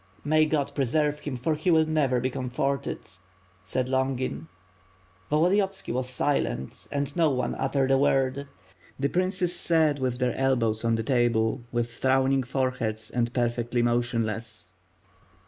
"May God preserve him, for he will never be comforted," said Longin. Volodiyovski was silent and no one uttered a word. The princes sat with their elbows on the table with frown inir foro heads, and perfectly motionless.